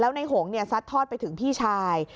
แล้วลายหงย์ซัดทอดไปถึงพี่ชาย